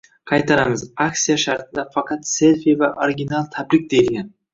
Qaytaramiz, aksiya shartida faqat selfi va origonal tabrik deyilgan.